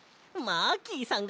マーキーさん！